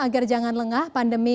agar jangan lengah pandemi